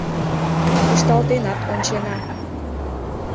Кушталтенат ончена.